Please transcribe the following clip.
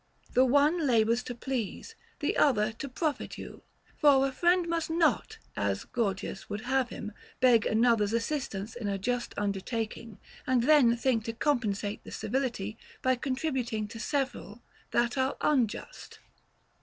The one labors to please, the other to profit you. For a friend must not, as Gorgias would have him, beg another's assistance in a just undertaking, and FROM A FRIEND. 135 then think to compensate the civility by contributing to several that are unjust.